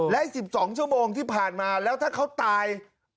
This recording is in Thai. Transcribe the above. และ๑๒ชั่วโมงที่ผ่านมาแล้วถ้าเขาตาย